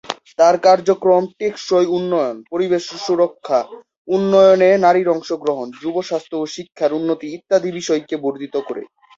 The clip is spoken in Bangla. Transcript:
তার কার্যক্রম টেকসই উন্নয়ন, পরিবেশ সুরক্ষা, উন্নয়নে নারীর অংশগ্রহণ, যুব স্বাস্থ্য ও শিক্ষার উন্নতি ইত্যাদি বিষয়কে বর্ধিত করে।